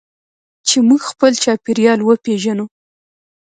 چې موږ خپل چاپیریال وپیژنو.